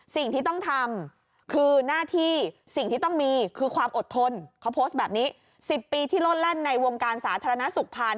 สิ่งที่ต้องทำคือหน้าที่สิ่งที่ต้องมีคือความอดทนเขาโพสต์แบบนี้๑๐ปีที่โลดแล่นในวงการสาธารณสุขผ่าน